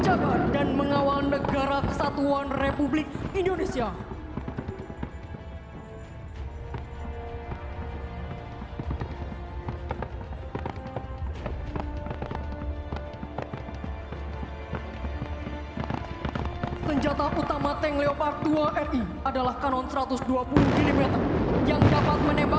adalah alutsista karya anak bansa